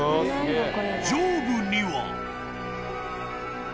［上部には］